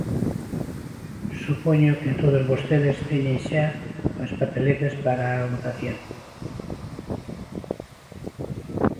Supoño que todos vostedes teñen xa as papeletas para a votación.